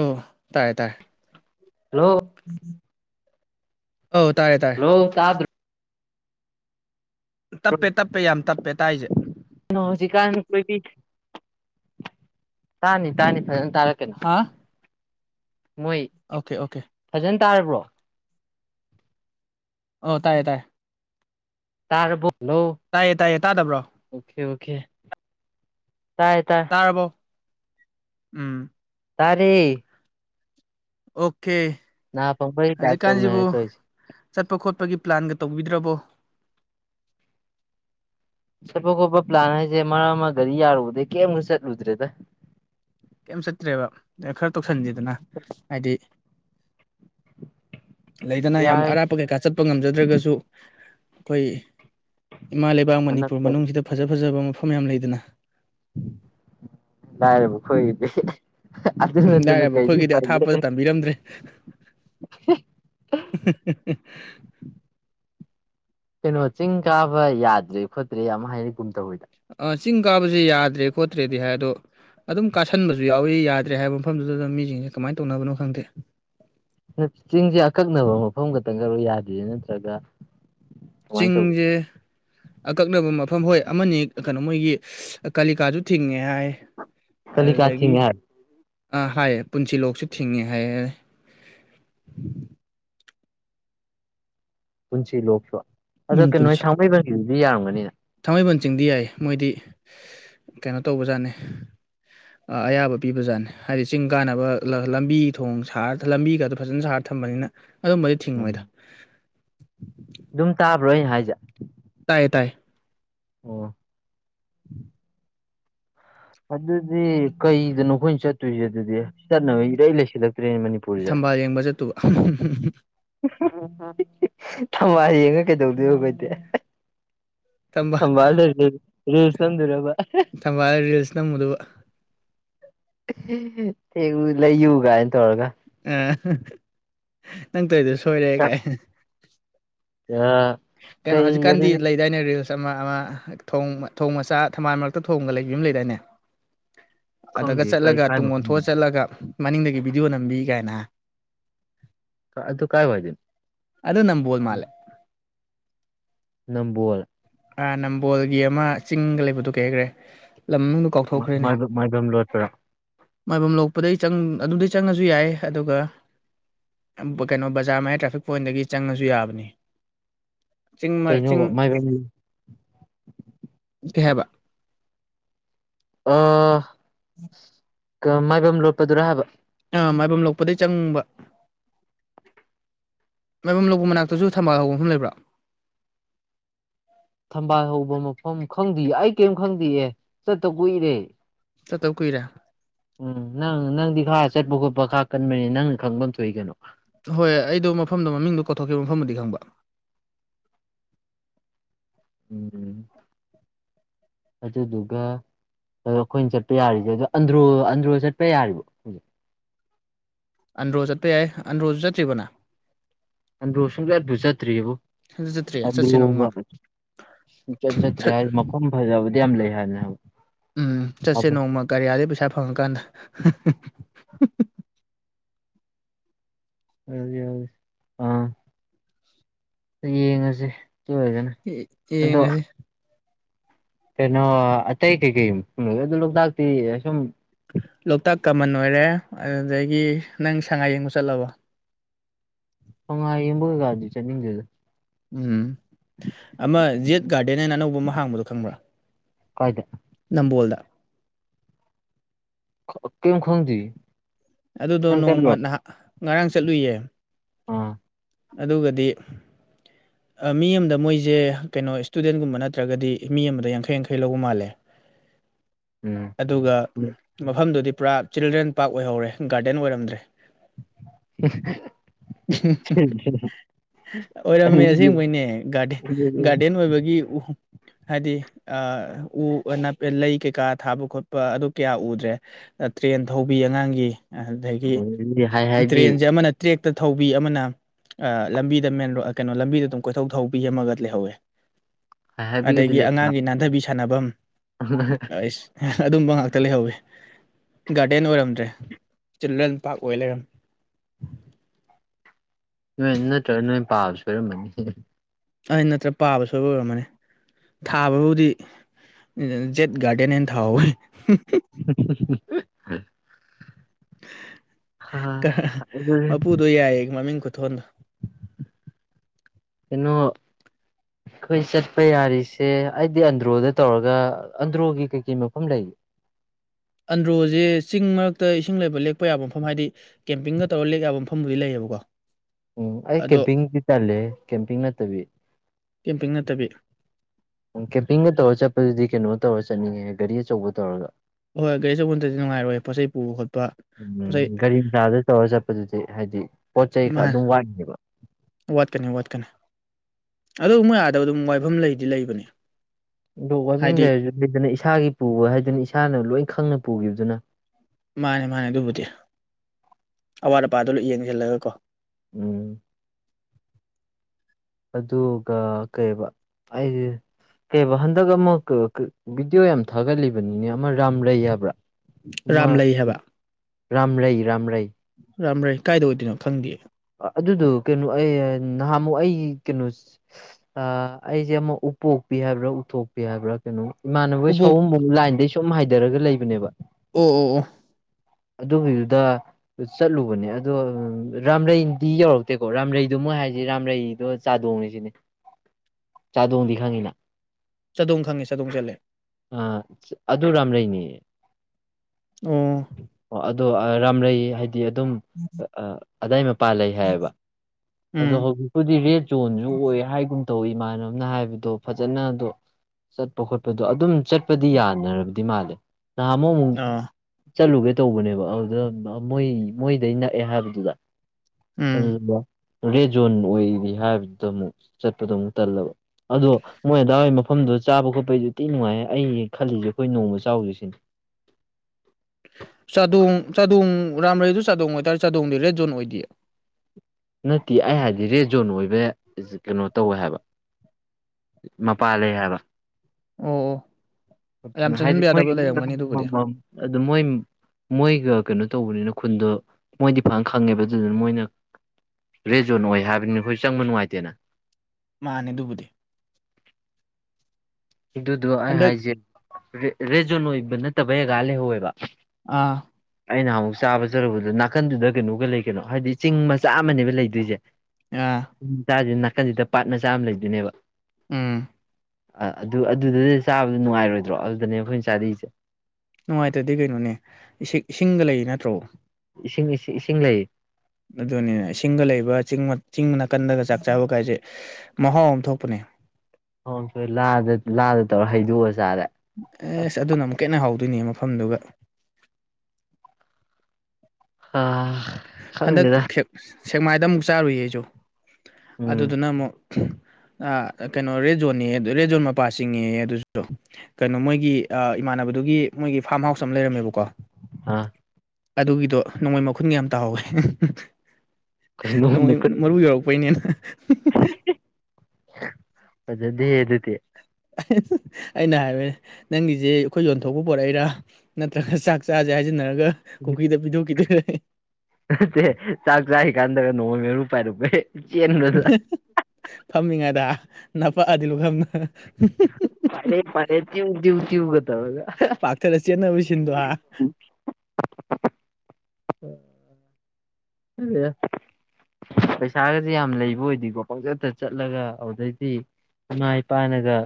ꯑꯣ ꯇꯥꯏ ꯇꯥꯏ ꯍꯜꯂꯣ ꯑꯧ ꯇꯥꯏꯔꯦ ꯇꯥꯏꯔꯦ ꯇꯥꯗꯔꯣ ꯇꯞꯄꯦ ꯇꯞꯄꯦ ꯌꯥꯝ ꯇꯞꯄꯦ ꯇꯥꯏꯁꯦ ꯀꯩꯅꯣ ꯍꯧꯖꯤꯛꯀꯥꯟ ꯑꯩꯈꯣꯏꯗꯤ ꯇꯥꯅꯤ ꯇꯥꯅꯤ ꯐꯖꯅ ꯇꯥꯔꯛꯀꯅꯤ ꯍꯥ ꯃꯣꯏ ꯑꯣꯀꯦ ꯑꯣꯀꯦ ꯐꯖꯅ ꯇꯥꯔꯕ꯭ꯔꯣ ꯑꯣ ꯇꯥꯏꯌꯦ ꯇꯥꯏꯌꯦ ꯇꯥꯔꯕꯣ ꯍꯥꯜꯂꯣ ꯇꯥꯏꯌꯦ ꯇꯥꯏꯌꯦ ꯇꯥꯗꯕ꯭ꯔꯣ ꯑꯣꯦ ꯑꯣ ꯇꯥꯏ ꯇꯥꯏ ꯇꯔꯕꯣ ꯎꯝ ꯇꯥꯔꯦ ꯑꯣꯀꯦ ꯅꯥ ꯄꯪꯕꯩ ꯇꯥꯏꯞ ꯍꯧꯖꯤꯛ ꯀꯥꯟꯖꯤꯕꯨ ꯇꯧꯅꯔꯦ ꯇꯧꯔꯤꯁꯦ ꯆꯠꯄ ꯈꯣꯠꯄꯒꯤ ꯄ꯭ꯂꯥꯟꯒ ꯇꯧꯕꯤꯗ꯭ꯔꯕꯣ ꯆꯠꯄ ꯈꯣꯠꯄ ꯄ꯭ꯂꯥꯟ ꯍꯥꯏꯁꯦ ꯃꯔꯝ ꯑꯃ ꯒꯥꯔꯤ ꯌꯥꯔꯨꯕꯗꯩ ꯀꯔꯤꯝꯨꯛ ꯆꯠꯂꯨꯗ꯭ꯔꯦꯗ ꯀꯩꯝ ꯆꯠꯇ꯭ꯔꯦꯕ ꯑ ꯈꯔ ꯇꯧꯁꯟꯖꯦꯗꯅ ꯍꯥꯏꯗꯤ ꯂꯩꯗꯅ ꯌꯥꯝ ꯌꯥꯏ ꯑꯔꯥꯞꯄ ꯀꯩꯀꯥ ꯆꯠꯄ ꯉꯝꯖꯗ꯭ꯔꯒꯁꯨ ꯑꯩꯈꯣꯏ ꯏꯃꯥ ꯂꯩꯕꯥꯛ ꯃꯅꯤꯄꯨꯔ ꯑꯅꯛꯄ ꯃꯅꯨꯡꯁꯤꯗ ꯐꯖ ꯐꯖꯕ ꯃꯐꯝ ꯌꯥꯝꯌꯥꯝ ꯂꯩꯗꯅ ꯂꯔꯦꯕꯨꯛ ꯍꯣꯏꯒꯦ ꯑ ꯑꯗꯨꯅ ꯊꯅ ꯂꯥꯏꯔꯕ ꯑꯩꯈꯣꯏꯒꯤꯗꯤ ꯑꯊꯥꯞꯄꯗ ꯀꯩꯗꯤꯔꯒꯦ ꯇꯝꯕꯤꯔꯝꯗ꯭ꯔꯦ [inaudible] ꯀꯩꯅꯣ ꯆꯤꯡ ꯀꯥꯕ ꯌꯥꯗ꯭ꯔꯦ ꯈꯣꯠꯇ꯭ꯔꯦ ꯌꯥꯝ ꯍꯥꯏꯅꯒꯨꯝ ꯇꯧꯋ ꯑ ꯆꯤꯡ ꯀꯥꯕꯁꯦ ꯌꯥꯗ꯭ꯔꯦ ꯈꯣꯠꯇ꯭ꯔꯦꯗꯤ ꯍꯥꯏ ꯑꯗꯣ ꯑꯗꯨꯝ ꯀꯥꯁꯟꯕꯁꯨ ꯌꯥꯎꯏꯤ ꯌꯥꯗ꯭ꯔꯦ ꯍꯥꯏꯕ ꯃꯐꯝꯗꯨꯗ ꯃꯤꯁꯤꯡꯁꯦ ꯀꯃꯥꯏꯅ ꯇꯧꯅꯕꯅꯣ ꯈꯪꯗꯦ ꯆꯤꯡꯁꯦ ꯑꯀꯛꯅꯕ ꯃꯐꯝ ꯈꯛꯇꯪꯒꯔꯣꯏ ꯌꯥꯗ꯭ꯔꯤꯦ ꯅꯠꯇ꯭ꯔꯒ ꯀꯃꯥꯏꯅ ꯇꯧꯒꯦ ꯆꯤꯡꯁꯦ ꯑꯀꯛꯅꯕ ꯃꯐꯝ ꯍꯣꯏ ꯑꯃꯅꯤ ꯀꯩꯅꯣ ꯃꯣꯏꯒꯤ ꯀꯥꯂꯤꯀꯥꯗꯨ ꯊꯤꯡꯉꯦ ꯍꯥꯏ ꯀꯥꯂꯤꯀꯥ ꯆꯤꯡ ꯑꯗꯨꯗꯒꯤ ꯍꯥꯏꯕ ꯑꯥ ꯍꯥꯏꯌꯦ ꯄꯨꯟꯁꯤꯂꯣꯛꯁꯨ ꯊꯤꯡꯉꯦ ꯍꯥꯏꯌꯦ ꯄꯨꯟꯁꯤ ꯂꯣꯛꯁꯨ ꯑꯗꯣ ꯎꯝ ꯀꯩꯅꯣ ꯄꯨꯟꯁꯤ ꯊꯥꯡꯃꯩꯕꯟꯒꯤꯗꯨꯗꯤ ꯌꯥꯔꯝꯒꯅꯤꯅ ꯊꯥꯡꯃꯩꯕꯟ ꯆꯤꯡꯗꯤ ꯌꯥꯏ ꯃꯣꯏꯗꯤ ꯀꯩꯅꯣ ꯇꯧꯕꯖꯥꯠꯅꯤ ꯑꯌꯥꯕ ꯄꯤꯕꯖꯥꯠꯅꯤ ꯍꯥꯏꯗꯤ ꯆꯤꯡ ꯀꯥꯟꯅꯕ ꯂꯝꯕꯤ ꯊꯣꯡ ꯁꯥꯔ ꯂꯝꯕꯤꯒ ꯐꯖꯅ ꯁꯥꯔ ꯊꯝꯕꯅꯤꯅ ꯑꯗꯨꯝꯕꯗꯤ ꯊꯤꯡꯉꯣꯏꯗ ꯑꯗꯨꯝ ꯇꯥꯕ꯭ꯔꯣꯅ ꯍꯥꯏꯁ ꯇꯥꯏꯌꯦ ꯇꯥꯏꯌꯦ ꯑꯣ ꯑꯗꯨꯗꯤ ꯀꯩꯗꯅꯣꯈꯣꯏꯅ ꯆꯠꯇꯣꯏꯁꯦ ꯑꯗꯨꯗꯤ ꯆꯠꯅꯕ ꯏꯔꯩ ꯂꯩꯁꯤꯜꯂꯛꯇ꯭ꯔꯦꯅꯦ ꯃꯅꯤꯄꯨꯔ ꯊꯝꯕꯥꯜ ꯌꯦꯡꯕ ꯆꯠꯇꯧꯕ ꯊꯝꯕꯥꯜ ꯌꯦꯡꯉ ꯀꯩꯗꯧꯗꯣꯏꯕ ꯑꯩꯈꯣꯏꯗꯤ ꯊꯝꯕꯥꯜ ꯂꯩꯔꯗꯤ ꯔꯤꯜꯁ ꯅꯝꯗꯣꯏꯔꯕ ꯊꯝꯕꯥꯜ ꯔꯤꯜꯁ ꯅꯝꯃꯨꯗꯧꯕ ꯊꯦꯛꯎ ꯂꯩꯌꯨ ꯀꯥꯏꯅ ꯇꯧꯔꯒ ꯑ ꯅꯪ ꯇꯧꯔꯤꯗꯤ ꯁꯣꯏꯔꯦ ꯀꯥꯏꯅ ꯑꯥ ꯀꯩꯅꯣ ꯍꯧꯖꯤꯛ ꯀꯥꯟꯗꯤ ꯂꯩ ꯂꯩꯗꯥꯏꯅꯦ ꯔꯤꯜꯁ ꯑꯃ ꯑꯃ ꯊꯣꯡ ꯊꯣꯡ ꯃꯆꯥ ꯊꯝꯕꯥꯜ ꯃꯔꯛꯇ ꯊꯣꯡꯒ ꯂꯩꯕꯤ ꯑꯃ ꯂꯩꯗꯥꯏꯅꯦ [unintelligible] ꯑꯗꯒ ꯀꯩ ꯆꯠꯂꯒ ꯀꯥꯏ ꯇꯨꯡ ꯑꯣꯟꯊꯣꯛꯑ ꯃꯐꯝꯗꯅꯣ ꯆꯠꯂꯒ ꯃꯅꯤꯡꯗꯒꯤ ꯚꯤꯗꯤꯑꯣ ꯅꯝꯕꯤ ꯀꯥꯏꯅ ꯑꯗꯨ ꯀꯥꯏꯋꯥꯏꯗꯅꯣ ꯑꯗꯨ ꯅꯝꯕꯣꯜ ꯃꯥꯜꯂꯦ ꯅꯝꯕꯣꯜ ꯅꯝꯕꯣꯜꯒꯤ ꯑꯃ ꯆꯤꯡꯒ ꯂꯩꯕꯗꯨꯣ ꯀꯩ ꯍꯥꯏꯒꯔ꯭ꯦ ꯂꯝ ꯀꯥꯎꯊꯣꯛꯈ꯭ꯔꯦꯅꯦ ꯃꯥꯏꯕꯝ ꯂꯣꯛꯄ ꯃꯥꯏꯕꯝ ꯂꯣꯛꯄꯗꯩ ꯆꯪ ꯑꯗꯨꯗꯩ ꯆꯪꯉꯁꯨ ꯌꯥꯏ ꯑꯗꯨꯒ ꯀꯩꯅꯣ ꯕꯖꯥꯔ ꯃꯌꯥ ꯇ꯭ꯔꯥꯐꯤꯛ ꯄꯣꯏꯟꯗꯒꯤ ꯆꯪꯉꯁꯨ ꯌꯥꯕꯅꯤ ꯆꯤꯡ ꯆꯤꯡ ꯀꯩꯅꯣꯕ ꯃꯥꯏꯕꯝ ꯀꯩ ꯍꯥꯏꯕ ꯑ ꯃꯥꯏꯕꯝ ꯂꯣꯛꯄꯗꯨꯔ ꯍꯥꯏꯕ ꯑꯥ ꯃꯥꯏꯕꯝ ꯂꯣꯛꯄꯗꯒꯤ ꯆꯪꯕ ꯃꯥꯏꯕꯝ ꯂꯧꯕꯨꯛ ꯃꯅꯥꯛꯇꯁꯨ ꯊꯝꯕꯥꯜ ꯍꯧꯕ ꯃꯐꯝ ꯂꯩꯕ꯭ꯔꯣ ꯊꯝꯕꯥꯜ ꯍꯧꯕ ꯃꯐꯝ ꯈꯪꯗꯦ ꯑꯩ ꯀꯔꯤꯝ ꯈꯪꯗꯦ ꯑꯦ ꯆꯠꯇ ꯀꯨꯏꯔꯦ ꯆꯠꯇꯕ ꯀꯨꯏꯔꯦ ꯎꯝ ꯅꯪ ꯅꯪꯗꯤ ꯈꯔ ꯆꯠꯄ ꯈꯣꯠꯄ ꯈꯔ ꯀꯟꯕꯅꯤ ꯅꯪꯅ ꯈꯪꯐꯝ ꯊꯣꯛꯏ ꯀꯩꯅꯣ ꯍꯣꯏ ꯑꯩꯗꯣ ꯃꯐꯝꯗꯣ ꯃꯃꯤꯡꯗꯣ ꯀꯥꯎꯊꯣꯛꯈꯤꯕ ꯃꯐꯝꯕꯨꯗꯤ ꯈꯪꯕ ꯎꯝ ꯑꯗꯨꯗꯨꯒ ꯑꯗꯣ ꯑꯩꯈꯣꯏꯅ ꯆꯠꯄ ꯌꯥꯔꯤꯁꯦ ꯑꯗꯣ ꯑꯟꯗ꯭ꯔꯣ ꯑꯟꯗ꯭ꯔꯣ ꯆꯠꯄ ꯌꯥꯔꯤꯕꯣ ꯑꯟꯗ꯭ꯔꯣ ꯆꯠꯄ ꯌꯥꯏ ꯑꯟꯗ꯭ꯔꯣꯁꯨ ꯆꯠꯇ꯭ꯔꯤꯕ ꯅꯪ ꯑꯟꯗ꯭ꯔꯣ ꯁꯨꯡꯆꯠꯄꯨ ꯆꯠꯇ꯭ꯔꯤꯕꯣ ꯑꯗꯨ ꯆꯠꯇ꯭ꯔꯤ ꯆꯠꯁꯦ ꯅꯣꯡꯃ ꯑꯟꯗ꯭ꯔꯣꯕ ꯁꯨꯡꯆꯠ ꯆꯠꯇ꯭ꯔꯤ ꯆꯠ ꯍꯥꯏꯗꯤ ꯃꯐꯝ ꯐꯖꯕꯗꯤ ꯌꯥꯝ ꯂꯩ ꯍꯥꯏꯕꯅꯦ ꯍꯥꯏꯕ ꯎꯝ ꯆꯠꯁꯦ ꯅꯣꯡꯃ ꯀꯔꯤꯌꯥꯗꯩ ꯄꯩꯁꯥ ꯐꯪꯉꯀꯥꯟꯗ ꯑꯥ ꯌꯦꯡꯉꯁꯦ ꯌꯦꯡꯉꯁꯤ ꯀꯩꯅꯣ ꯑꯇꯩ ꯀꯩꯀꯩ ꯑꯗꯨ ꯂꯣꯛꯇꯥꯛꯇꯤ ꯑ ꯁꯨꯝ ꯂꯣꯛꯇꯥꯛ ꯀꯃꯟ ꯑꯣꯏꯔꯦ ꯑꯗꯨꯗꯒꯤ ꯅꯪ ꯁꯉꯥꯏ ꯌꯦꯡꯕ ꯆꯠꯂꯕꯣ ꯁꯉꯥꯏ ꯌꯦꯡꯕ ꯀꯥꯏꯗꯤ ꯆꯠꯅꯤꯡꯗꯦꯗ ꯎꯝ ꯑꯃ ꯖꯦꯠ ꯒꯥꯔꯗꯦꯟ ꯍꯥꯏꯅ ꯑꯅꯧꯕ ꯑꯃ ꯍꯥꯡꯕꯗꯣ ꯈꯪꯕ꯭ꯔꯥ ꯀꯥꯏꯗ ꯅꯝꯕꯣꯜꯗ ꯀꯩꯑꯝ ꯈꯪꯗꯦ ꯑꯗꯨꯗꯣ ꯅꯣꯡꯃ ꯅꯍꯥ ꯉꯔꯥꯡ ꯆꯠꯂꯨꯏꯌꯦ ꯑꯣ ꯑꯗꯨꯒꯗꯤ ꯃꯤ ꯑꯃꯗ ꯃꯣꯏꯖꯦ ꯀꯩꯅꯣ ꯏꯁꯇꯨꯗꯦꯟꯒꯨꯝꯕ ꯅꯠꯇ꯭ꯔꯒꯗꯤ ꯃꯤ ꯑꯃꯗ ꯌꯥꯡꯈꯩ ꯌꯥꯡꯈꯩ ꯂꯧꯕ ꯃꯥꯜꯂꯦ ꯎꯝ ꯑꯗꯨꯒ ꯃꯐꯝꯗꯨꯗꯤ ꯄꯨꯔꯥ ꯆꯤꯜꯗ꯭ꯔꯦꯟ ꯄꯥꯔꯛ ꯑꯣꯏꯍꯧꯔꯦ ꯒꯥꯔꯗꯦꯟ ꯑꯣꯏꯔꯝꯗ꯭ꯔꯦ ꯑꯣꯏꯔꯝꯃꯦ ꯑꯁꯦꯡꯕꯩꯅꯦ ꯒꯥꯔꯗꯦꯟ ꯑꯗꯨꯗꯤ ꯒꯥꯔꯗꯦꯟ ꯑꯣꯏꯕꯒꯤ ꯍꯥꯏꯗꯤ ꯎ ꯂꯩ ꯀꯩꯀꯥ ꯊꯥꯕ ꯈꯣꯠꯄ ꯑꯗꯨ ꯀꯌꯥ ꯎꯗ꯭ꯔꯦ ꯇ꯭ꯔꯦꯟ ꯊꯧꯕꯤ ꯑꯉꯥꯡꯒꯤ ꯑꯗꯒꯤ ꯍꯥꯏ ꯍꯥꯏꯕꯤ ꯇ꯭ꯔꯦꯟꯁꯦ ꯑꯃꯅ ꯇ꯭ꯔꯦꯛꯇ ꯊꯧꯕꯤ ꯑꯃꯅ ꯂꯝꯕꯤꯗ ꯃꯦꯟ ꯔꯣ ꯀꯩꯅꯣ ꯂꯝꯕꯤꯗ ꯑꯗꯨꯝ ꯀꯣꯏꯊꯧ ꯇꯍꯧꯕꯤꯃꯒ ꯂꯩꯍꯧꯋꯦ ꯍꯥꯏ ꯍꯥꯏꯕꯤꯒꯗꯤ ꯑꯗꯒꯤ ꯂꯩꯕ꯭ꯔꯥ ꯑꯉꯥꯡꯒꯤ ꯅꯥꯟꯊꯕꯤ ꯁꯥꯟꯅꯐꯝ ꯑꯁ ꯑꯗꯨꯝꯕ ꯉꯥꯛꯇ ꯂꯩꯍꯧꯋꯤ ꯒꯥꯔꯗꯦꯟ ꯑꯣꯏꯔꯝꯗ꯭ꯔꯦ ꯆꯤꯜꯗ꯭ꯔꯦꯟ ꯄꯥꯔꯛ ꯑꯣꯏ ꯂꯩꯔꯝ ꯅꯣꯏ ꯅꯠꯇ꯭ꯔꯒ ꯅꯣꯏ ꯄꯥꯕ ꯁꯣꯏꯔꯝꯃꯅꯤ ꯑꯩ ꯅꯠꯇ꯭ꯔ ꯄꯥꯕꯁꯨ ꯑꯣꯏꯣꯏꯔꯝꯃꯅꯤ ꯊꯥꯕꯕꯨꯗꯤ ꯖꯦꯠ ꯒꯥꯔꯗꯦꯟꯅ ꯊꯥꯎꯋꯦ ꯍ ꯑꯗꯨꯣ ꯌꯥꯏꯌꯦꯦ ꯃꯃꯤꯡ ꯈꯨꯊꯣꯟꯗꯣ ꯀꯩꯅꯣ ꯑꯩꯈꯣꯏ ꯆꯠꯄ ꯌꯥꯔꯤꯁꯦ ꯑꯩꯗꯤ ꯑꯟꯗ꯭ꯔꯣꯗ ꯇꯧꯔꯒ ꯑꯟꯗ꯭ꯔꯣꯒꯤ ꯀꯩ ꯀꯩ ꯃꯐꯝ ꯂꯩꯒꯦ ꯑꯟꯗ꯭ꯔꯣꯁꯦ ꯆꯤꯡ ꯃꯔꯛꯇ ꯏꯁꯤꯡ ꯂꯩꯕ ꯂꯦꯛꯄ ꯌꯥꯕ ꯃꯐꯝ ꯍꯥꯏꯗꯤ ꯀꯦꯝꯄꯤꯡꯒ ꯇꯧꯔꯒ ꯂꯦꯛ ꯌꯥꯕ ꯃꯐꯝꯕꯨꯗꯤ ꯂꯩꯌꯦꯕꯀꯣ ꯎꯝ ꯑꯩ ꯑꯗꯣ ꯀꯦꯝꯄꯤꯡꯗꯤ ꯆꯜꯂꯦ ꯀꯦꯝꯄꯤꯡ ꯅꯠꯇꯕꯤ ꯀꯦꯝꯄꯤꯡ ꯅꯠꯇꯕꯤ ꯀꯦꯝꯄꯤꯡꯒ ꯇꯧꯔ ꯆꯠꯄꯗꯨꯗꯤ ꯀꯩꯅꯣ ꯇꯧꯔ ꯆꯠꯅꯤꯡꯉꯦ ꯒꯥꯔꯤ ꯑꯆꯧꯕ ꯇꯧꯔꯒ ꯍꯣꯏ ꯒꯥꯔꯤ ꯑꯆꯧꯕꯗꯗꯤ ꯅꯨꯡꯉꯥꯏꯔꯣꯏ ꯄꯣꯠꯆꯩ ꯄꯨꯕ ꯈꯣꯠꯄ ꯄꯣꯠꯆꯩ ꯎꯝ ꯒꯥꯔꯤ ꯃꯥꯗ ꯇꯧꯔ ꯆꯠꯄꯗꯨꯗꯤ ꯍꯥꯏꯗꯤ ꯄꯣꯠ ꯆꯩ ꯈꯔ ꯑꯗꯨꯝ ꯋꯥꯠꯅꯦꯕ ꯋꯥꯗ ꯀꯅꯤ ꯋꯥꯗꯀꯅꯤ ꯑ ꯃꯨꯛ ꯌꯥꯗꯕ ꯑꯗꯨꯝ ꯋꯥꯏꯐꯝ ꯂꯩꯗꯤ ꯂꯩꯕꯅꯦ ꯗꯣꯛ ꯋꯥꯏꯐꯝ ꯍꯥꯏꯗꯤ ꯂꯩꯔꯁꯨ ꯂꯩꯗꯅ ꯏꯁꯥꯒꯤ ꯄꯨꯕ ꯍꯥꯏꯗꯨꯅ ꯏꯁꯥꯅ ꯂꯣꯏ ꯈꯪꯅ ꯄꯨꯈꯤꯕꯗꯨꯅ ꯃꯥꯅꯦ ꯃꯥꯅꯦ ꯑꯗꯨꯕꯨꯗꯤ ꯑꯋꯥꯠ ꯑꯄꯥꯗꯨ ꯂ ꯌꯦꯡꯁꯤꯜꯂꯒ ꯀꯣ ꯎꯝ ꯑꯗꯨꯒ ꯀꯩꯕ ꯑꯩꯁ ꯀꯩꯕ ꯍꯟꯗꯛ ꯑꯃꯛ ꯚꯤꯗꯤꯑꯣ ꯌꯥꯝ ꯊꯥꯒꯠꯂꯤꯕꯅꯤꯅꯦ ꯑꯃ ꯔꯥꯝ ꯂꯩ ꯍꯥꯏꯕ꯭ꯔꯥ ꯔꯥꯝꯂꯩ ꯍꯥꯏꯕ ꯂꯥꯔꯝꯔꯩ ꯂꯥꯔꯝꯔꯩ ꯔꯥꯝꯔꯦ ꯀꯥꯏꯗꯧ ꯑꯣꯏꯗꯣꯏꯅꯣ ꯈꯪꯗꯦ ꯑꯗꯨꯗꯣ ꯀꯩꯅꯣ ꯑꯩ ꯅꯍꯥꯟꯃꯨꯛ ꯑꯩ ꯀꯩꯅꯣ ꯑ ꯑꯩꯁꯦ ꯑꯃꯨꯛ ꯎꯄꯣꯛꯄꯤ ꯍꯥꯏꯕ꯭ꯔꯥ ꯎꯊꯣꯛꯄꯤ ꯍꯥꯏꯕ꯭ꯔꯥ ꯀꯩꯅꯣ ꯏꯃꯥꯟꯅꯕ ꯎꯕꯣꯛ ꯁꯍꯨꯝꯕ ꯂꯥꯏꯟꯗꯩ ꯁꯨꯝ ꯍꯥꯏꯊꯔꯒ ꯂꯩꯕꯅꯦꯕ ꯑꯣ ꯑꯣ ꯑꯣ ꯑꯗꯨꯒꯤꯗꯨꯗ ꯆꯠꯂꯨꯕꯅꯦ ꯑꯗꯣ ꯔꯥꯝꯔꯩꯗꯤ ꯌꯧꯔꯛꯇꯦꯀꯣ ꯔꯥꯝꯔꯩꯗꯣ ꯃꯣꯏ ꯍꯥꯏꯁꯦ ꯔꯥꯝꯔꯩꯗꯣ ꯆꯥꯗꯣꯡꯅꯤ ꯁꯤꯅꯦ ꯆꯥꯗꯣꯡꯗꯤ ꯈꯪꯉꯤꯅ ꯆꯥꯗꯣꯡ ꯈꯪꯉꯦ ꯆꯥꯡ ꯆꯠꯂꯦ ꯑꯗꯣ ꯔꯥꯝꯔꯩ ꯂꯩꯅꯤꯌꯦ ꯑꯣ ꯑꯣ ꯑꯗꯣ ꯔꯥꯝ ꯂꯩꯩ ꯍꯥꯏꯗꯤ ꯑꯗꯨꯝ ꯑ ꯑꯗꯥꯏ ꯃꯄꯥꯥꯟ ꯂꯩ ꯍꯥꯏꯌꯦꯕ ꯑꯗꯣ ꯎꯝ ꯍꯧꯖꯤꯛ ꯑꯗꯨꯗꯤ ꯔꯦꯠ ꯖꯣꯟꯁꯨ ꯑꯣꯏ ꯍꯥꯏꯒꯨꯝ ꯇꯧ ꯏꯃꯥꯟꯅꯕꯅ ꯍꯥꯏꯕꯗꯣ ꯐꯖꯅ ꯑꯗꯣ ꯆꯠꯄ ꯈꯣꯠꯄꯗꯣ ꯑꯗꯨꯝ ꯆꯠꯄꯗꯤ ꯌꯥꯅꯔꯕꯗꯤ ꯃꯥꯜꯂꯦ ꯅꯍꯥ ꯑꯃꯨꯛ ꯑꯃꯨꯛ ꯑꯥ ꯆꯠꯂꯨꯒꯦ ꯇꯧꯕꯅꯦꯕ ꯑꯗꯨꯗ ꯃꯣꯏ ꯃꯣꯏꯗꯩ ꯅꯛꯑꯦ ꯍꯥꯏꯕꯗꯨꯗ ꯎꯝ ꯑꯗꯨ ꯔꯦꯠ ꯖꯣꯟ ꯑꯣꯏꯔꯤ ꯍꯥꯏꯕꯗꯨꯗ ꯑꯃꯨꯛ ꯆꯠꯄꯗꯣ ꯑꯃꯨꯛ ꯇꯜꯂꯕ ꯑꯗꯣ ꯃꯣꯏ ꯑꯗꯥꯏ ꯍꯏ ꯃꯐꯝꯗꯣ ꯆꯥꯕ ꯈꯣꯠꯄꯩ ꯎꯇꯤ ꯅꯨꯡꯉꯥꯏ ꯑꯩ ꯈꯜꯂꯤꯁꯦ ꯑꯩꯈꯣꯏ ꯅꯣꯡꯃ ꯆꯥꯎꯗ ꯁꯤꯅꯤ ꯆꯥꯗꯣꯡ ꯆꯥꯗꯣꯡ ꯔꯥꯝꯩꯗꯨ ꯆꯥꯗꯣꯡ ꯍꯥꯏꯇꯥꯔꯦ ꯆꯥꯗꯣꯡꯗꯤ ꯔꯦꯠ ꯖꯣꯟ ꯑꯣꯏꯗꯌꯦ ꯅꯠꯇꯦ ꯑꯩ ꯍꯥꯏꯗꯤ ꯔꯦꯠ ꯖꯣꯟ ꯑꯣꯏꯕ ꯀꯩꯅꯣ ꯇꯧꯋꯦ ꯍꯥꯏꯕ ꯃꯄꯥꯥꯟ ꯂꯩ ꯍꯥꯏꯕ ꯑꯣ ꯑꯣ ꯌꯥꯝ ꯅ ꯍꯥꯏꯗꯤ ꯆꯪꯍꯟꯕ ꯃ [inaudible] ꯌꯥꯗꯕ ꯂꯩꯔꯝꯒꯅꯤ ꯑꯗꯨꯕꯨꯗꯤ ꯑꯗꯨꯗ ꯃꯣꯏ ꯃꯣꯏꯒ ꯀꯩꯅꯣ ꯇꯧꯕꯅꯤꯅ ꯈꯨꯟꯗꯣ ꯃꯣꯏꯗꯤ ꯐꯅ ꯈꯪꯉꯦꯕ ꯑꯗꯨꯗꯨꯅ ꯃꯣꯏꯅ ꯔꯦꯖꯣꯟ ꯑꯣꯏ ꯍꯥꯏꯕꯅꯤꯅ ꯑꯩꯈꯣꯏ ꯆꯪꯕ ꯅꯨꯡꯉꯥꯏꯇꯦꯅ ꯃꯥꯅꯦ ꯑꯗꯨꯕꯨꯗꯤ ꯑꯗꯨꯗꯣ ꯑꯩ ꯍꯟꯗꯛ ꯍꯥꯏꯁꯦ ꯔꯦꯖꯣꯟ ꯑꯣꯏꯕ ꯅꯠꯇꯕ ꯒꯥ ꯂꯩꯍꯧꯋꯦꯕ ꯑꯥ ꯑꯩꯅ ꯑꯃꯨꯛ ꯆꯥꯕ ꯆꯔꯨꯕꯗ ꯅꯥꯀꯟꯗꯨꯗ ꯀꯩꯅꯣꯒ ꯂꯩ ꯀꯩꯅꯣ ꯍꯥꯏꯗꯤ ꯆꯤꯡ ꯃꯆꯥ ꯑꯃꯅꯦꯕ ꯂꯩꯗꯣꯏꯁꯦ ꯑꯥ ꯎꯁꯤ ꯅꯥꯀꯟꯁꯤꯗ ꯄꯥꯠ ꯃꯆꯥꯝ ꯑꯃ ꯂꯩꯗꯣꯏꯅꯦꯕ ꯎꯝ ꯑꯗꯨ ꯑꯗꯨꯗꯨꯗꯤ ꯆꯥꯕꯗꯨ ꯅꯨꯡꯉꯥꯏꯔꯣꯏꯗ꯭ꯔꯣ ꯑꯗꯨꯗꯅꯦ ꯑꯩꯈꯣꯏꯅ ꯆꯥꯗꯏꯁꯦ ꯅꯨꯡꯉꯥꯏꯇ꯭ꯔꯗꯤ ꯀꯩꯅꯣꯅꯦ ꯏꯁꯤꯡ ꯏꯁꯤꯡꯒ ꯂꯩ ꯅꯠꯇ꯭ꯔꯣ ꯏꯁꯤꯡ ꯏꯁꯤꯡ ꯏꯁꯤꯡ ꯂꯩ ꯑꯗꯨꯅꯤꯅ‌ꯦ ꯏꯁꯤꯡꯒ ꯂꯩꯕ ꯆꯤꯡ ꯆꯤꯡ ꯅꯥꯀꯟꯗꯒ ꯆꯥꯛ ꯆꯥꯕ ꯀꯥꯏꯖ‌ꯦ ꯃꯍꯥꯎ ꯑꯃ ꯊꯣꯛꯄꯅꯦ ꯍꯣ ꯑꯈ‌ꯣꯏ ꯂꯥꯗ ꯂꯥꯗꯇꯧꯔ ꯍꯩꯗꯣꯛꯑ ꯆꯥꯔ‌ꯦ ꯑꯦꯁ ꯑꯗꯨꯅ ꯑꯃꯨꯛꯀ ꯍꯟꯅ ꯍꯥꯎꯗꯣꯏꯅꯦ ꯃꯐꯝꯗꯨꯒ ꯑꯥ ꯍꯟꯗꯛ ꯁꯦꯛ ꯁ‌ꯦꯛꯃꯥꯏꯗ ꯑꯃꯨꯛ ꯆꯥꯔꯨꯏꯌꯦ ꯑꯩꯁꯨ ꯎꯝ ꯑꯗꯨꯗꯨꯅ ꯑꯃꯨꯛ ꯑꯩ ꯀꯩꯅꯣ ꯔ‌ꯦꯗꯖꯣꯟꯅ‌ꯦ ꯌ‌ꯦ ꯔꯦꯗꯖꯣꯟ ꯃꯄꯥ ꯆꯤꯡꯉꯦꯌ‌ꯦ ꯑꯗꯨꯖꯨ ꯀꯩꯅꯣ ꯃꯣꯏꯒꯤ ꯑ ꯏꯃꯥꯟꯅꯕꯗꯨꯒꯤ ꯃꯣꯏꯒꯤ ꯐꯥꯝ ꯍꯥꯎꯁ ꯑꯃ ꯂꯩꯔꯝꯃꯦꯕꯀꯣ ꯑ ꯑꯗꯨꯒꯤꯗꯣ ꯅꯣꯡꯃꯩ ꯃꯈꯨꯟꯒ ꯌꯥꯝ ꯇꯥꯍꯧꯋꯦ ꯅꯣꯡꯃ ꯅꯣꯡꯃꯩ ꯃꯔꯨ ꯌꯧꯔꯛꯄꯩꯅꯦꯅ ꯐꯖꯗ‌ꯦ ꯍ‌ꯦ ꯑꯗꯨꯗꯤ ꯑꯩꯅ ꯍꯥꯏꯕ ꯅꯪꯒꯤꯖ‌ꯦ ꯑꯩꯈꯣꯏ ꯌꯣꯟꯊꯣꯛꯄ ꯄꯣꯔꯛꯏꯔꯥ ꯅꯠꯇ꯭ꯔꯒ ꯆꯥꯛ ꯆꯥꯖ‌ꯦ ꯍꯥꯏꯖꯤꯟꯅꯔꯒ ꯀꯨꯀꯤꯗ ꯄꯤꯊꯣꯛ ꯈꯤꯗ‌ꯣꯏꯔ ꯅꯇ‌‌ꯦ ꯆꯥꯛ ꯆꯥꯔꯤ ꯀꯥꯟꯗꯒ ꯅꯣꯡꯃꯩ ꯃꯔꯨ ꯄꯥꯏꯔꯛꯄꯩ ꯆ‌ꯦꯟ ꯐꯝꯃꯤꯉꯩꯗ ꯅꯄꯛꯑꯗꯤ ꯂꯨꯈꯝꯅ ꯑꯦ ꯇꯤꯋ ꯇꯤꯋ ꯇꯤꯋꯒ ꯇꯧꯔꯒ ꯄꯥꯥꯛꯊꯔ ꯆ‌ꯦꯟꯅ ꯕꯩ ꯁꯤꯟꯗꯣ ꯍꯥ [unintelligible] ꯄꯩꯁꯥꯒꯖ‌ꯦ ꯌꯥꯝ ꯂꯩꯕ ꯑꯣꯏꯗꯤꯀꯣ ꯄꯪꯆꯠꯇ ꯆꯠꯂꯒ ꯑꯗꯨꯗꯩꯗꯤ ꯏꯃꯥ ꯏꯄꯥꯅꯒ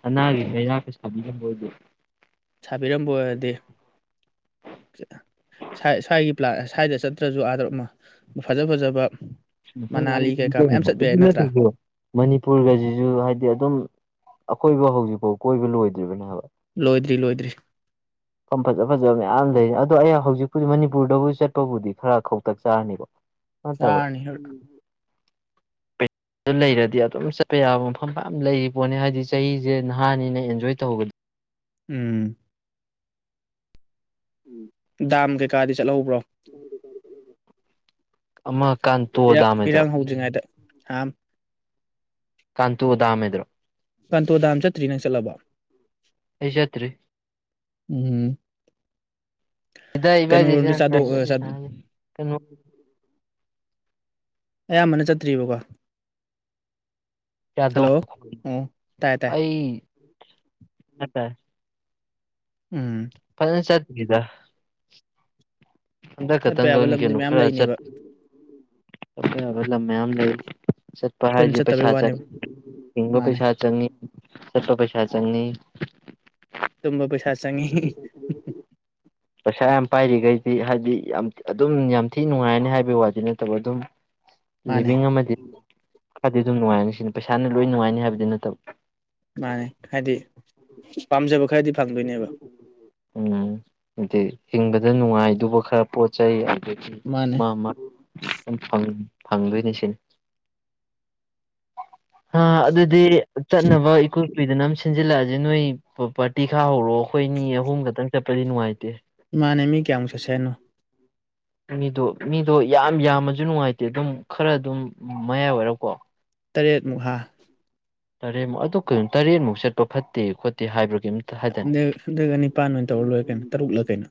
ꯁꯅꯥꯒꯤ ꯀꯩꯔꯥꯛꯀ ꯁꯥꯕꯤꯔꯝꯕ ꯑꯣꯏꯗꯤ ꯁꯥꯕꯤꯔꯝꯕ ꯑꯣꯏꯔꯗꯤ ꯁ꯭ꯋꯥꯏ ꯁ꯭ꯋꯥꯏꯒꯤ ꯄꯂꯥ ꯁ꯭ꯋꯥꯏꯗ ꯆꯠꯇ꯭ꯔꯖꯨ ꯑꯥꯗ ꯐꯖ ꯐꯖꯕ ꯃꯐꯝ ꯌꯥꯝ ꯃꯅꯥꯂꯤ ꯀꯩꯀꯥ ꯃꯌꯥꯝ ꯆꯠꯄ ꯌꯥꯏ ꯅꯠꯇ꯭ꯔꯥ [unintelligible] ꯃꯅꯤꯄꯨꯔ ꯒ ꯖꯤꯖꯨ ꯍꯥꯏꯗꯤ ꯑꯗꯨꯝ ꯑꯀꯣꯏꯕ ꯍꯧꯖꯤꯛꯐꯥꯎ ꯀꯣꯏꯕ ꯂꯣꯏꯗ꯭ꯔꯤꯕꯅꯦ ꯍꯥꯏꯕ ꯂꯣꯏꯗ꯭ꯔꯤ ꯂꯣꯏꯗ꯭ꯔꯤ ꯃꯐꯝ ꯐꯖ ꯐꯖꯕ ꯃꯌꯥꯝ ꯂꯩꯔꯤ ꯑꯗꯣ ꯑꯩ ꯍꯧꯖꯤꯛꯄꯨꯗꯤ ꯃꯅꯤꯄꯨꯔꯗꯕꯨ ꯆꯠꯄꯕꯨꯗꯤ ꯈꯔ ꯈꯧꯇꯛ ꯆꯥꯔꯅꯤ [inaudible] ꯆꯥꯔꯅꯤ ꯑꯗꯨ ꯂꯩꯔꯗꯤ ꯑꯗꯨꯝ ꯆꯠꯄ ꯌꯥꯕ ꯃꯐꯝ ꯃꯌꯥꯝ ꯂꯩꯔꯤ ꯄꯣꯠꯅꯤ ꯍꯥꯏꯗꯤ ꯆꯍꯤꯖ‌ꯦ ꯅꯍꯥꯅꯤꯅ‌ ꯑꯦꯟꯖꯣꯏ ꯇꯧꯍꯧꯒ ꯎꯝ ꯎꯝ ꯗꯥꯝ ꯀꯩꯀꯥꯗꯤ ꯆꯠꯍꯧꯕ꯭ꯔꯣ ꯑꯃ ꯀꯥꯟꯇꯣ ꯏꯔꯥꯡ ꯗꯥꯝ ꯍꯥꯏꯗ꯭ꯔꯣ ꯏꯔꯥꯡ ꯍꯧꯗ꯭ꯔꯤꯉꯩꯗ ꯊꯥꯑꯝ ꯀꯥꯟꯇꯨ ꯗꯥꯝ ꯍꯥꯏꯗꯨꯔꯣ ꯀꯟꯇꯨ ꯗꯥꯝ ꯆꯠꯇꯔꯤ ꯅꯪ ꯆꯠꯂꯕꯣ ꯑꯩ ꯆꯠꯇ꯭ꯔꯤ ꯎꯝ ꯀꯩꯅꯣꯔꯣꯝꯗꯤ ꯆꯥꯗꯣꯛ [unintelligible] ꯑꯌꯥꯝꯕꯅ ꯆꯠꯇ꯭ꯔꯤ ꯌ‌ꯦꯕꯀꯣ ꯆꯥꯗ‌ꯣꯡ ꯍꯜꯂꯣ ꯑꯣ ꯇꯥꯏ ꯇꯥꯏ ꯑꯩ ꯆꯠꯈꯔ‌ꯦ ꯎꯝ ꯐꯖꯟ ꯆꯠꯇꯔꯤꯗ ꯍꯟꯗꯛ ꯆꯠꯄ ꯈꯇꯪ ꯌꯥꯕ ꯈꯛ ꯂꯝꯗꯤ ꯅꯤꯀꯩꯅꯣ ꯃꯌꯥꯝ ꯈꯔ ꯂꯩꯅꯦꯕ ꯆꯠꯄꯌꯥꯕ ꯂꯝ ꯃꯌꯥꯝ ꯂꯩ ꯆꯠꯄ ꯑꯩꯈꯣꯏꯅ ꯍꯥꯏꯖ‌ꯦ ꯆꯠꯇꯕꯩ ꯄꯩꯁꯥ ꯋꯥꯅꯦꯕ ꯆꯪꯉꯤ ꯍꯤꯡꯕ ꯃꯥꯅꯦ ꯄꯩꯁꯥ ꯆꯪꯉꯤ ꯆꯠꯄ ꯄꯩꯁꯥ ꯆꯪꯉꯤ ꯇꯨꯝꯕ ꯄꯩꯁꯥ ꯆꯪꯉꯤ ꯄꯩꯁꯥ ꯌꯥꯝ ꯄꯥꯏꯔꯤꯒꯩꯗꯤ ꯍꯥꯏꯗꯤ ꯌꯥꯝ ꯑꯗꯨꯝ ꯌꯥꯝ ꯊꯤ ꯅꯨꯡꯉꯥꯏꯔꯅꯤ ꯍꯥꯏꯕꯩ ꯋꯥꯗꯤ ꯅꯠꯇꯕ ꯑꯗꯨꯝ ꯃꯥꯅꯦ ꯂꯤꯚꯤꯡ ꯑꯃꯗꯤ ꯈꯔꯗꯤ ꯑꯗꯨꯝ ꯅꯨꯡꯉꯥꯏꯔꯅꯤ ꯁꯤꯅꯤ ꯄꯩꯁꯥꯅ ꯂꯣꯏ ꯅꯨꯡꯉꯥꯏꯅꯤ ꯍꯥꯏꯕꯗꯤ ꯅꯠꯇꯕ ꯃꯥꯅꯦ ꯍꯥꯏꯗꯤ ꯄꯥꯝꯖꯕ ꯈꯔꯗꯤ ꯐꯪꯗꯣꯏꯅꯦꯕ ꯎꯝ ꯍꯥꯏꯗꯤ ꯍꯤꯡꯕꯗ ꯅꯨꯡꯉꯥꯏꯗꯨꯕ ꯈꯔ ꯄꯣꯠ ꯆꯩ ꯑꯗꯒꯤ ꯃꯥꯅꯦ ꯃꯥ ꯃꯥ ꯈꯤꯇꯪ ꯐꯪꯗꯣꯏꯅꯤ ꯁꯤꯅꯤ ꯍꯥ ꯑꯗꯨꯗꯤ ꯆꯠꯅꯕ ꯏꯀꯨꯏ ꯀꯨꯏꯗꯅ ꯑꯃ ꯁꯤꯟꯖꯤꯜꯂꯛꯑꯁꯦ ꯅꯣꯏ ꯄꯥꯔꯇꯤ ꯈꯥ ꯍꯧꯔꯣ ꯑꯩꯈꯣꯏ ꯑꯅꯤ ꯑꯍꯨꯝ ꯈꯛꯇꯪ ꯆꯠꯄꯗꯤ ꯅꯨꯡꯉꯥꯏꯇꯦ ꯃꯥꯟꯅꯦ ꯃꯤ ꯀꯌꯥꯃꯨꯛ ꯆꯠꯁꯦ ꯍꯥꯏꯅꯣ ꯃꯤꯗꯣ ꯃꯤꯗꯣ ꯌꯥꯝ ꯌꯥꯝꯃꯁꯨ ꯅꯨꯡꯉꯥꯏꯇꯦ ꯑꯗꯨꯝ ꯈꯔ ꯑꯗꯨꯝ ꯃꯌꯥꯏ ꯔꯣꯏꯔꯀꯣ ꯇꯔꯦꯠ ꯃꯨꯛ ꯍꯥ ꯇꯔꯦꯠꯃꯨꯛ ꯑꯗꯨ ꯀꯩꯅꯣ ꯇꯔꯦꯠꯃꯨꯛ ꯆꯠꯄ ꯐꯠꯇꯦ ꯈꯣꯠꯇꯦ ꯍꯥꯏꯕ꯭ꯔ ꯀꯩꯅꯣꯝ ꯑ ꯑꯗꯨ ꯑꯣꯏꯔꯒꯅ ꯅꯤꯄꯥꯟ ꯑꯣꯏꯅ ꯇꯧꯔ ꯂꯣꯏꯔꯦ ꯀꯩꯅꯣ ꯇꯔꯨꯛꯂ ꯀꯩꯅꯣ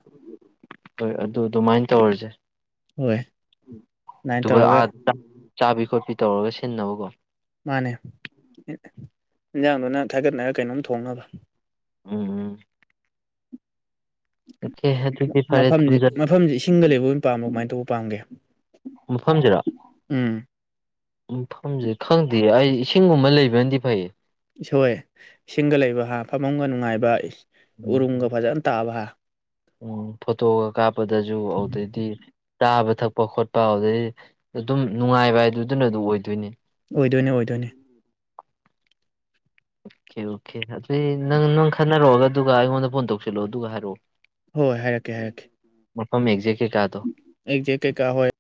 ꯍꯣꯏ ꯑꯗꯨ ꯑꯗꯨꯃꯥꯏꯅ ꯇꯧꯔꯁꯦ ꯍꯣꯏ ꯑꯗꯨꯃꯥꯏꯅ ꯑꯗꯨꯒꯥ ꯇꯧꯔꯒ ꯆꯥꯕꯤ ꯈꯣꯠꯄꯤ ꯇꯧꯔꯒ ꯁꯤꯟꯅꯕꯀꯣ ꯃꯥꯅꯦ ꯏꯟꯖꯥꯡꯗꯣ ꯅꯪ ꯊꯥꯒꯠꯅꯔꯒ ꯀꯩꯅꯣꯝ ꯊꯣꯡꯅꯕ ꯑꯝ ꯑꯣꯀꯦ ꯑꯗꯨꯗꯤ ꯐꯔꯦ ꯃꯐꯝꯁꯤ ꯊꯝꯖꯔꯦ ꯃꯐꯝꯁꯤ ꯏꯁꯤꯡꯒ ꯂꯩꯕ ꯑꯣꯏꯅ ꯄꯥꯝꯕꯔꯥ ꯀꯃꯥꯏꯅ ꯇꯧꯕ ꯄꯥꯝꯒꯦ ꯃꯐꯝꯁꯤꯔꯣ ꯎꯝ ꯐꯝꯖꯦ ꯈꯪꯗꯦ ꯑꯩ ꯏꯁꯤꯡꯒꯨꯝꯕ ꯂꯩꯕꯅꯗꯤ ꯐꯩꯌꯦ ꯏꯁ ꯍꯣꯏ ꯏꯁꯤꯡꯒ ꯂꯩꯕ ꯍꯥ ꯐꯕꯝꯒ ꯅꯨꯡꯉꯥꯏꯕ ꯎꯝ ꯎꯔꯨꯝꯒ ꯐꯖꯅ ꯇꯥꯕ ꯍꯥ ꯎꯝ ꯐꯣꯇꯣꯒ ꯀꯥꯞꯄꯗꯁꯨ ꯑꯗꯨꯗꯩꯗꯤ ꯆꯥꯕ ꯊꯛꯄ ꯈꯣꯠꯄ ꯑꯗꯨꯗꯩ ꯑꯗꯨꯝ ꯅꯨꯡꯉꯥꯏꯕ ꯍꯥꯏꯗꯨꯗꯨꯅ ꯗꯨꯝ ꯑꯣꯏꯗꯣꯏꯅꯤ ꯑꯣꯏꯗꯣꯏꯅꯦ ꯑꯣꯏꯗꯣꯏꯅꯤ ꯑꯣꯀꯦ ꯑꯣꯀꯦ ꯑꯗꯨꯏ ꯅꯪ ꯅꯪ ꯈꯟꯅꯔꯣꯗ ꯑꯗꯨꯒ ꯑꯩꯉꯣꯟꯗ ꯐꯣꯟ ꯇꯧꯁꯤꯜꯂꯛꯑꯣ ꯑꯗꯨꯒ ꯍꯥꯏꯔꯛꯑꯣ ꯍꯣꯏ ꯍꯣꯏ ꯍꯥꯏꯔꯛꯀꯦ ꯍꯥꯏꯔꯛꯀꯦ ꯃꯐꯝ ꯑꯦꯛꯖꯦꯛꯂꯤ ꯀꯩꯀꯥꯗꯣ ꯑꯦꯛꯖꯦꯛ ꯀꯩꯀꯥ ꯍꯣꯏ